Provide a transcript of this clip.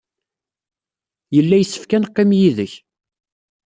Yella yessefk ad neqqim yid-k.